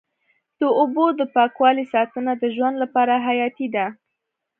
د اوبو د پاکوالي ساتنه د ژوند لپاره حیاتي ده.